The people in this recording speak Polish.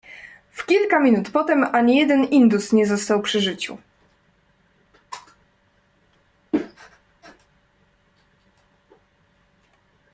"W kilka minut potem ani jeden indus nie został przy życiu."